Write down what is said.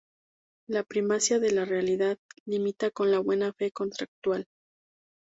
La primacía de la realidad "limita" con la buena fe contractual.